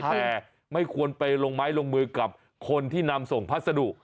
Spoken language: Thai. แต่ไม่ควรไปลงไม้ลงมือกับคนที่นำส่งพัสดุ